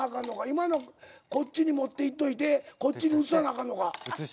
今のこっちに持っていっといてこっちに移さなあかんのか。